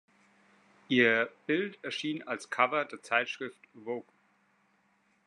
Ihr Bild erschien als Cover der Zeitschrift "Vogue.